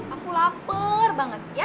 aku lapar banget ya